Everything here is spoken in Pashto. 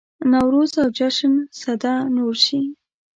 نوروز او جشن سده نور شي.